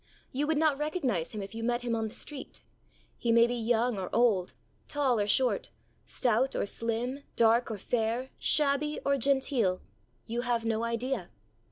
You would not recognize him if you met him on the street. He may be young or old, tall or short, stout or slim, dark or fair, shabby or genteel you have no idea.